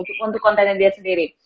untuk kontennya dia sendiri